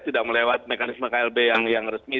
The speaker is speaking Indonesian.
tidak melewat mekanisme klb yang resmi